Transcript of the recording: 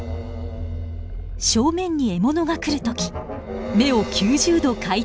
正面に獲物が来る時目を９０度回転。